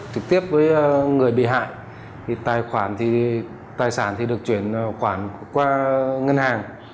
thực tiếp với người bị hại tài sản được chuyển khoản qua ngân hàng